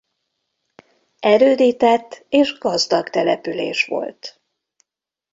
Erődített és gazdag település volt.